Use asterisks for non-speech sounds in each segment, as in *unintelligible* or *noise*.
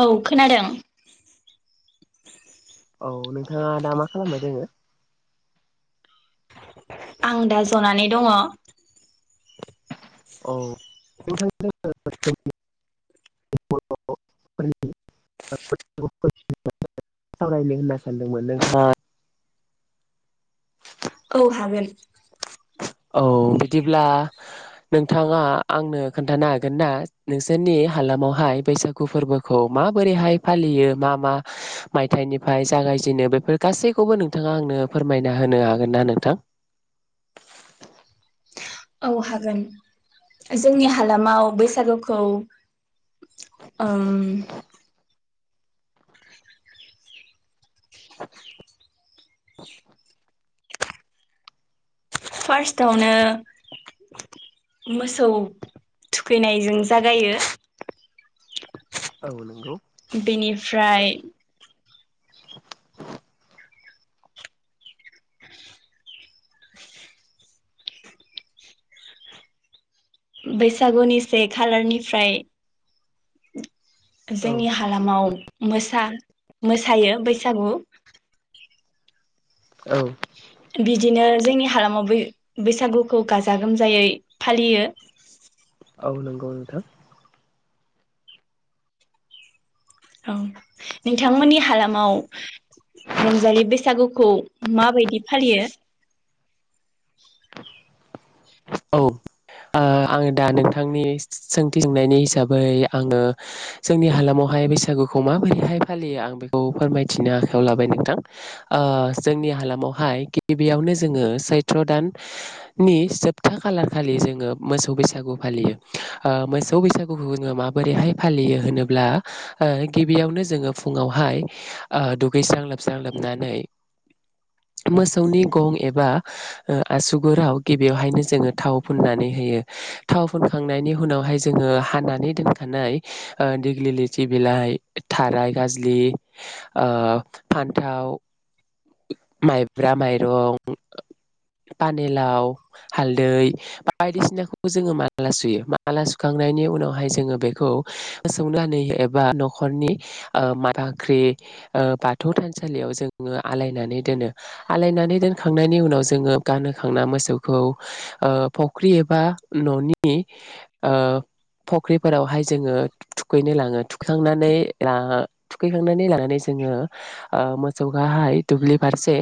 औ खोनादों औ नोंथाङा दा मा खालामबाय दोंङो? आं दा जनानै दङ। *unintelligible* सावरायनो होनना सानदोंमोन औ हागोन औ बिदिब्ला नोंथाङा आंनो खोन्थानो हागोन ना नोंसोरनि हालामावहाय बैसागु फोरबोखौ माबोरैहाय फालियो मा मा मायथाइनिफ्राय जागायजेनो बेफोर गासैखौबो नोंथाङा आंनो फोरमायना होनो हागोन ना नोंथां। औ हागोन जोंनि हालामाव बैसागुखौ फार्स्टआवनो मोसौ थुखैनायजों जागायो औ नंगौ बेनिफ्राय *inaudible* बैसागुनि से खालारनिफ्राय औ जोंनि हालामाव मोसा मोसायो बैसागु औ बिदिनो जोंनि हालामाव बैसागुखौ गाजा गोमजायै फालियो औ नंगौ नोंथां औ नोंथांमोननि हालामाव रंजालि बैसागुखौ माबायदि फालियो। *inaudible* औ आङो दा नोंथांनि सोंथि जोंनायनि हिसाबै आङो जोंनि हालामावहाय बैसागुखौ माबोरैहाय फालियो आं बेखौ फोरमायथिनो आखायाव लाबाय नोंथां ओ जोंनि हालामावहाय गिबियावनो जोङो सैथ्र दान नि जोबथा खालार खालि जोङो मोसौ बैसागु फालियो ओ मोसौ बैसागुखौ जोङो माबोरैहाय फालियो होनोब्ला ओ गिबियावनो जोङो फुङावहाय ओ दुगैस्रां लोबस्रां लोबनानै मोसौनि गं एबा ओ आसुगुराव गिबियावहायनो जोङो थाव फुननानै होयो थाव फुनखांनायनि उनावहाय जोङो हानानै दोनखानाय ओ देग्लि लथि बिलाइ थाराय गाज्लि फान्थाव माइब्रा माइरं पानिलाव हालदै बा बायदिसिनाखौ जोङो माला सुयो माला सुखांनायनि उनावहाय जोङो बेखौ फोसौनानै एबा न'खरनि ओ बाख्रि बाथौ थानसालियाव जोङो आलायनानै दोनो आलायनानै दोनखांनायनि उनाव जोङो गानहोखांना मोसौखौ ओ फुख्रि एबा न'नि ओ फख्रिफोरावहाय जोङो थुखैनो लाङो थुखैखांनानै थुखैखांनानै लानानै जोङो ओ मोसौखौाहाय दुब्लि फारसे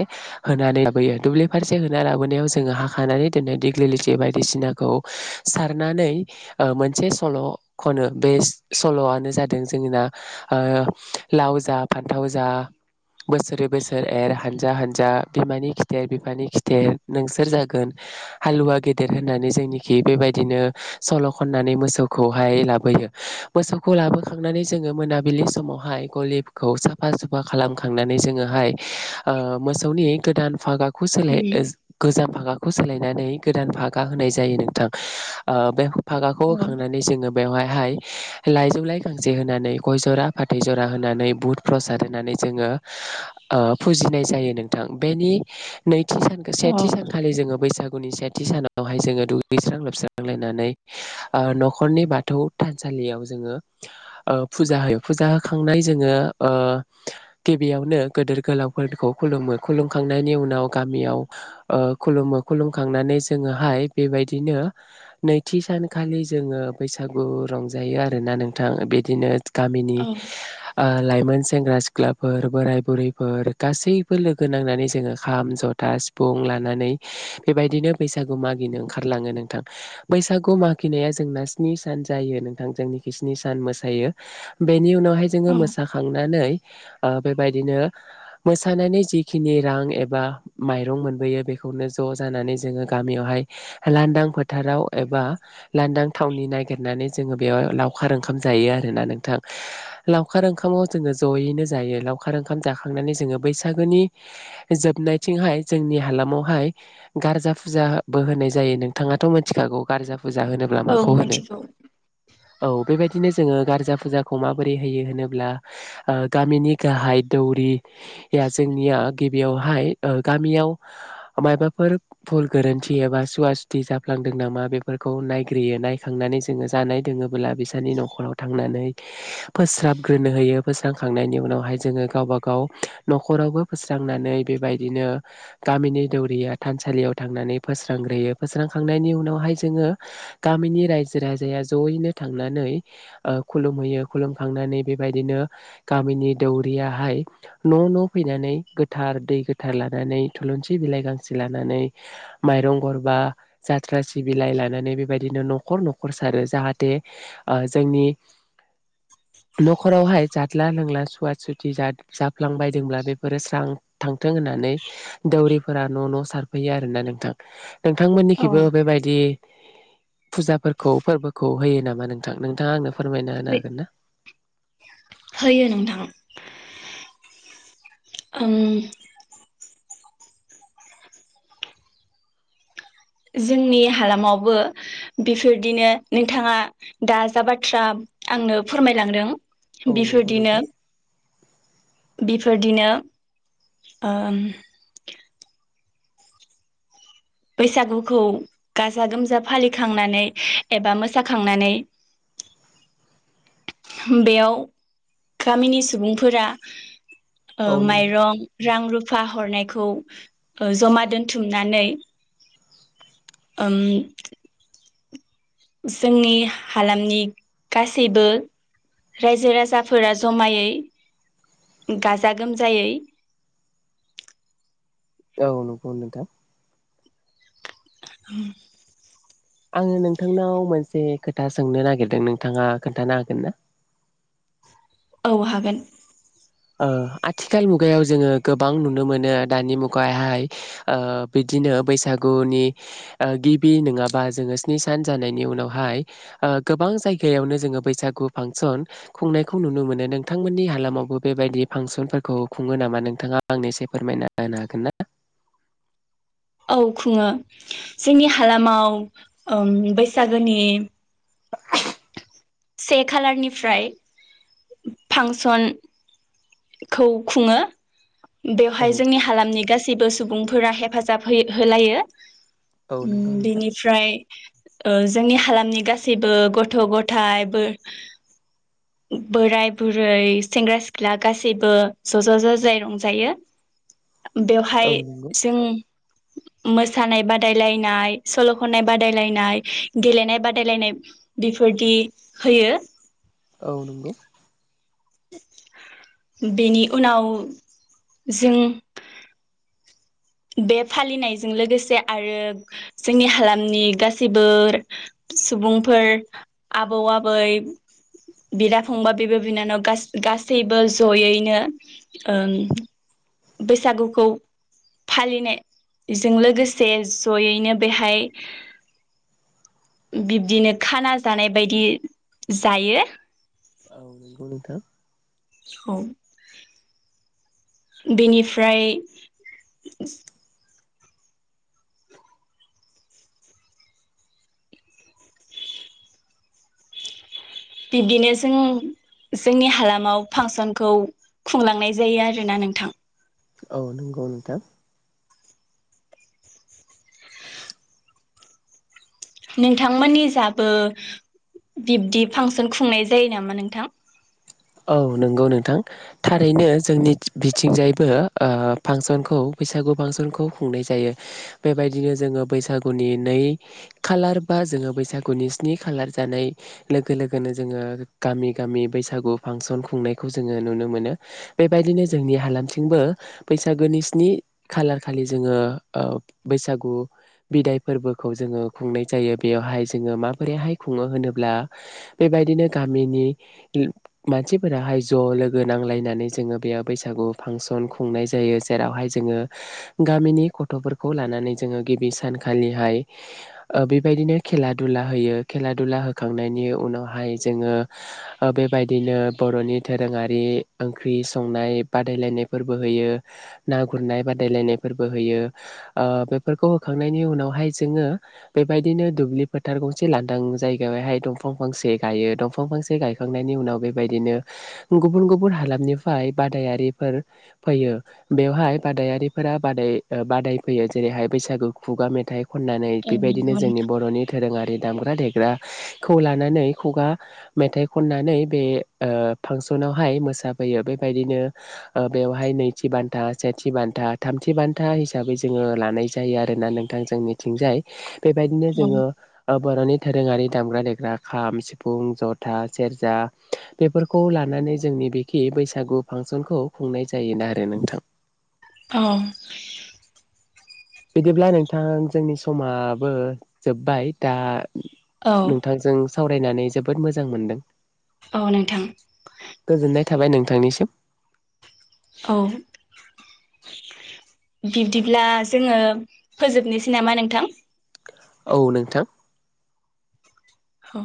होनानै लाबोयो दुब्लि फारसे लाबोनायाव जोङो हाखानानै दोननो दिग्लि लथि बायदिसिनाखौ सारनानै ओ मोनसे सल' खनो बे सल'आनो जादों जोंना ओ लाव जा फान्थाव जा बोसोरै बोसोर एर हानजा हानजा बिमानि खिथेर बिफानि खिथेर नोंसोर जागोन हालुवा गेदेर होननानै जोंनिखि बेबायदिनो सल' खननानै मोसौखौहाय लाबोयो मोसौखौ लाबोखांनानै जोङो मोनाबिलि समावहाय गलिबखौ साफा सुफा खालामखांनानै जोङोहाय ओ मोसौनि गोदान फागा खौ सोलाय उम गोजाम भागा *inaudible* खौ सोलायनानै गोदान भागा होनाय जायो नोंथां ओ बे फागाखौ औ होखांनानै जोङो बेवहायहाय लाइजौ लाइ गांसे होनानै, गय जरा, फाथै जरा होनानै बुद प्रसाद होनानै जोङो ओ फुजिनाय जायो नोंथां बेनि नै थि सान औ सेथि सानखालि जोङो बैसा गुनि सेथि सानावहाय जोङो दुगैस्रां लोबस्रांलायनानै ओ न'खरनि बाथौ थानसालियाव जोङो ओ फुजा होयो फुजा होखांनाय जोङो ओ गिबियावनो गेदोर गोलावफोरखौ खुलुमो खुलुमखांनायनि उनाव गामियाव ओ खुलुमो खुलुमखांनानै जोङोहाय बेबायदिनो नैथि सानखालि जोङो बैसागु रंजायो आरोना नोंथां बिदिनो गामिनि औ ओ लाइमोन सेंग्रा सिख्लाफोर बोराय बुरिफोर गासैबो लोगो नांनानै जोङो खाम जथा सिफुं लानानै बेबायदिनो बैसागु मागिनो ओंखारलाङो नोंथां बैसागु मागिनाया जोंना स्नि सान जायो नोंथां जोंनिखै स्नि सान मोसायो बेनि उनाव जोङो औ मोसाखांनानै ओ बेबायदिनो मोसानायनि जिखिनि रां एबा माइरं मोनबोयो बेखौनो ज' जानानै जोङो गामियावहाय लानदां फोथाराव एबा लानदां थावनि नागिरनानै जोङो बेयाव लावखार ओंखाम जायो आरोना नोंथां लावखार ओंखामाव जोङो जयैनो जायो लावखार ओंखाम जाखांनानै जोङो बैसागोनि जोबनाय थिंहाय जोंनि हालामावहाय गारजा फुजाबो होनाय जायो नोंथाङाथ' मिथिखागौ गारजा फुजा होनोब्ला औ माखौ होनो मिथिगौ औ बेबायदिनो जोङो गारजा। फुजाखौ माबोरै होयो होनोब्ला ओ गामिनि गाहाय दौरि या जोंनिया गिबियावहाय ओ गामियाव मायबाफोर भुल गोरोन्थि एबा सुवा सुथि जाफ्लांदों नामा बेफोरखौ नायग्रोयो नायखांनानै जोङो जानाय दोङोबोला बिसोरनि न'खराव थांनानै फोस्राबग्रोनो होयो फोस्रांखांनायनि उनावहाय जोङो गावबा गाव न'खरावबो फोस्रांनानै बेबाय दिनो गामिनि दौरिया थानसालियाव थांनानै फोस्रांग्रोयो फोस्रांखांनायनि उनावहाय जोङो गामिनि रायजो राजाया जयैनो थांनानै ओ खुलुमहैयो खुलुमखांनानै बेबायदिनो गामिनि दौरियाहाय न' न' फैनानै गोथार दै थार लानानै थुलुनसि बिलाइ गांसे लानानै, माइरं गरबा, जाथ्रा सि बिलाइ लानानै बेबायदिनो न'खर न'खर सारो जाहाथे ओ जोंनि न'खरावहाय जादला लोंला सुवा सुथि जाद जाफ्लांबायदोंब्ला बेफोरो स्रां थां थों होननानै दौरिफोरा न' न' सारफैयो आरोना नोंथां। औ नोंथांमोननिखैबो बेबायदि फुजाफोरखौ फोरबोखौ होयो नामा नोंथां? नोंथाङा आंनो फोरमायना होनो हागोन ना? होयो नोंथां। ओम जोंनि हालामावबो बेफोरदिनो नोंथाङा दा जाबाथ्रा आंनो फोरमायलांदों। औ नंगौ बेफोरदिनो नोंथां बेफोरदिनो ओम बैसागुखौ गाजा गोमजा फालिखांनानै एबा मोसाखांनानै बेयाव गामिनि सुबुंफोरा ओ औ नंगौ। माइरं रां रु फा हरनायखौ ओ जमा दोनथुमनानै ओम जोंनि हालामनि गासैबो रायजो राजाफोरा जमायै गाजा गोमजायै औ नंगौ नोंथां। *unintelligible* आङो नोंथांनाव मोनसे खोथा सोंनो नागिरदों नोंथाङा खोनथानो हागोन ना? औ हागोन ओ आथिखाल मुगायाव जोङो गोबां नुनो मोनो दानि मुगाहाय ओ बिदिनो बैसागुनि ओ गिबि नोङाबा जोङो स्नि सान जानायनि उनावहाय ओ गोबां जायगायावनो जोङो बैसागु फांसन खुंनायखौ नुनो मोनो नोंथांमोननि हालामावबो बेबायदि फांसनफोरखौ खुङो नामा नोंथाङा आंनो एसे फोरमायना होनो हागोन ना? औ खुङो जोंनि हालामाव ओम बैसागोनि से खालारनिफ्राय फांसन खौ खुङो औ बेवहाय जोंनि हालामनि गास हेबो सुबुंफोरा हेफाजाब हो होलायो औ नोंगौ ओम नोंथां बिनिफ्राय ओ जोंनि हालामनि गासैबो गथ' ग गथाइ बोराय बुरै सेंग्रा सिख्ला गासैबो ज' ज' ज' जाय रंजायो। औ बेवहाय नंगौ जों मोसानाय बादाय लायनाय सल' खननाय बादाय लायनाय गेलेनाय बादाय लायनाय बेफोर बिदि होयो। औ नंगौ। बेनि उनाव जों बे फालिनायजों लोगोसे आरो जोंनि हालामनि गासैबो सुबुंफोर आबौ आबै बिदा फंबा बिब' बिनानाव गासैबो जयैनो ओ बैसागुखौ फालिनायजों लोगोसे जयैनो बेहाय बिब्दिनो खाना जानाय बायदि जायो। औ नंगौ नोंथां। औ। बेनिफ्राय बिब्दिनो जों जोंनि हालामाव फांसनखौ खुंलांनाय जायो आरोना नोंथां। औ नंगौ नोंथां। नोंथांमोननि जाबो बिब्दि फांसन खुंनाय जायो नामा नोंथां। औ नंगौ नोंथां थारैनो जोंनि बिथिंजायबो ओ फांसनखौ बैसागु फांसनखौ खुंनाय जायो बेबायदिनो जोङो बैसागुनि नै खालार बा जोङो बैसागुनि स्नि खालार जानाय लोगो लोगोनो जोङो गामि गामि बैसागु। फांसन खुंनायखौ जोङो नुनो मोनो बेबायदिनो जोंनि हालामथिंबो बैसागोनि स्नि खालार खालि जोङो बैसागु बिदाय फोरबोखौ जोङो खुंनाय जायो बेयावहाय जोङो माबोरैहाय खुङो होनोब्ला बेबायदिनो गामिनि मानसिफोराहाय ज' लोगो नांलायनानै जोङो बेयाव बैसागु फांसन खुंनाय जायो जेरावहाय जोङो गामिनि गथ'फोरखौ लानानै जोङो गिबि सानखालिहाय बेबायदिनो खेला दुला होयो खेला दुला होखांनायनि उनावहाय जोङो ओ बेबायदि बिदिनो बर'नि दोरोङारि ओंख्रि संनाय बादायलायनायफोरबो होयो ना गुरनाय बादायलायनायफोरबो होयो बेफोरखौ ओ होखांनायनि उनावहाय जोङो बेबायदिनो दुब्लि फोथार गंसे लांदां जायगायावहाय दंफां फांसे गायो दंफां फांसे गायखांनायनि उनाव बेबायदिनो गुबुन गुबुन हालामनिफ्राय बादायारिफोर फैयो बेवहाय बादायारिफोरा बादाय फैयो जेरैहाय बैसागु खुगा मेथाइ। खननानै औ बेबायदिनो नंगौ जोंनि बर'नि दोरोङारि दामग्रा देग्राखौ लानानै खुगा मेथाइ खननानै बे ओ फांसनावहाय मोसाफैयो बेबायदिनो बेवहाय नैथि बान्था सेथि बान्था थामथि बान्था हिसाबै जोङो लानाय जायो आरोना नोंथां जोंनिथिंजाय। बेबायदिनो नोंथां जोङो। बर'नि दोरोङारि दामग्रा देग्रा खाम, सिफुं, जथा, सेरजा बेफोरखौ लानानै जोंनि बिखि बैसागु फांसनखौ खुंनाय जायोन आरो नोंथां। औ। बिदिब्ला नोंथां जोंनि समाबो जोब्बाय दा। नोंथांजों सावराय रायनानै जोबोद मोजां मोनदों। औ नोंथां। गोजोननाय थाबाय नोंथांनिसिम। औ बिब्दिब्ला जोङो फोजोबनोसै नामा नोंथां। औ नोंथां। औ।